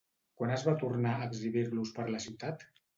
Quan es va tornar a exhibir-los per la ciutat?